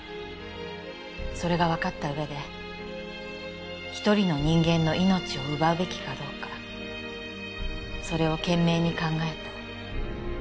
それがわかった上で１人の人間の命を奪うべきかどうかそれを懸命に考えた。